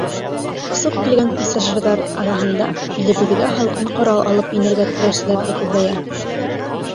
Осоп килгән пассажирҙар араһында илебеҙгә һалҡын ҡорал алып инергә теләүселәр ҙә күбәйә.